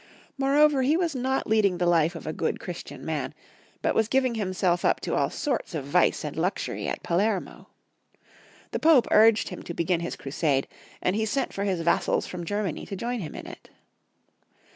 More over, he was not leading the life of a good Chris tian man, but was giving himself up to all sorts of vice and luxury at Palermo. The Pope urged him Friedrich U. 165 to begin his crusade, and he sent for his vassals from Germany to join him in it.